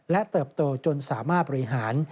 และเติบโตจนสามารถบริหาร